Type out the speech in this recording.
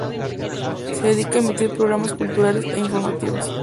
Se dedica a emitir programas culturales e informativos.